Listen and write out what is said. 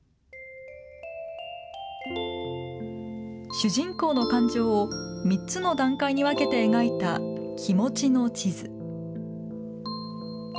主人公の感情を３つの段階に分けて描いた気持ちの地図。